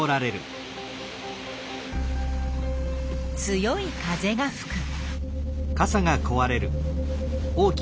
強い風がふく。